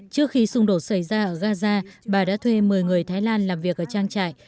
trước khi xung đột xảy ra ở gaza bà đã thuê một mươi người thái lan làm việc ở trang trại